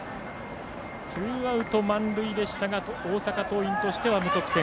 ツーアウト満塁でしたが大阪桐蔭としては無得点。